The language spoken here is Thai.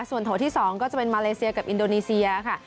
ส่วนโถที่๒ก็จะเป็นมาเลเซียกับอินโดนีเซียค่ะ